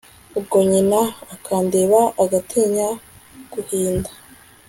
ubwo nyina akandeba agatinya guhinda